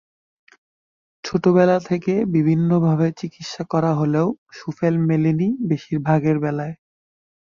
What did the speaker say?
ছোটবেলা থেকে বিভিন্নভাবে চিকিৎসা করা হলেও সুফল মেলেনি বেশির ভাগের বেলায়।